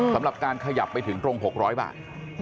สำหรับการขยับไปถึงตรง๖๐๐บาท